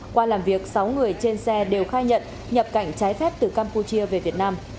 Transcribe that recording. qua làm việc sáu người trên xe đều khai nhận nhập cảnh trái phép từ campuchia về việt nam